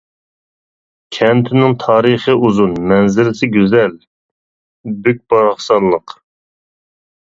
كەنتنىڭ تارىخى ئۇزۇن، مەنزىرىسى گۈزەل، بۈك-باراقسانلىق.